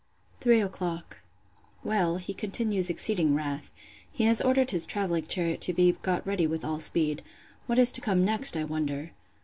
Three o'clock. Well, he continues exceeding wrath. He has ordered his travelling chariot to be got ready with all speed. What is to come next, I wonder!